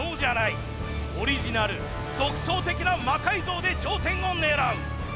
オリジナル独創的な魔改造で頂点を狙う。